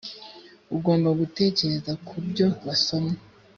ugomba gutekereza ku byo wasomye